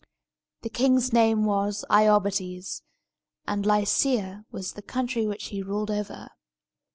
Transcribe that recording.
The king's name was Iobates, and Lycia was the country which he ruled over.